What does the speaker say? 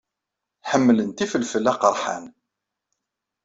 Ḥemmlent ifelfel aqerḥan.